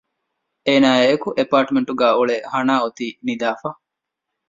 އޭނާ އާއި އެކު އެ އެޕާޓްމެންޓް ގައި އުޅޭ ހަނާ އޮތީ ނިދާފަ